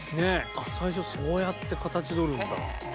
あっ最初そうやって形取るんだ。